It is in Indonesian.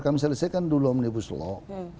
kami selesaikan dulu omnibus law